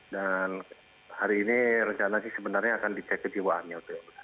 dan hari ini rencana sebenarnya akan dicek kejiwaannya